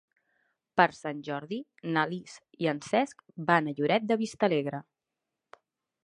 Per Sant Jordi na Lis i en Cesc van a Lloret de Vistalegre.